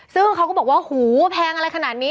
ซึ่งเขาก็บอกว่าหูแพงอะไรขนาดนี้